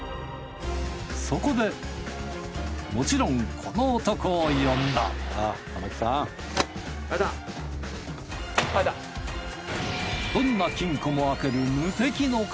そこでもちろんこの男を呼んだどんな金庫も開ける無敵の鍵